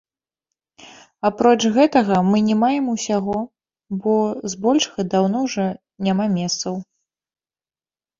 Апроч гэтага, мы не маем усяго, бо збольшага даўно ўжо няма месцаў.